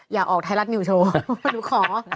อยากออกไทยรัฐนิวโชว์หนูขอ